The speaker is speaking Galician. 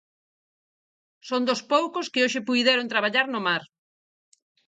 Son dos poucos que hoxe puideron traballar no mar.